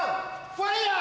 ファイヤー！